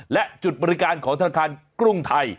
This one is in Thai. และจุดบริการของธนาคารกรุงไทย